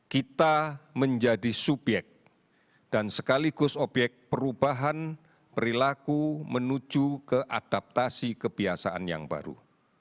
kita menjadi subyek dan sekaligus obyek perubahan perilaku menuju ke adaptasi kebiasaan yang baru